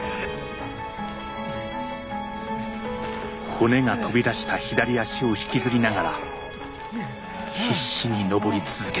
骨が飛び出した左足を引きずりながら必死に登り続けた。